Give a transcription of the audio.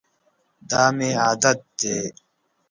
دا مي عادت دی .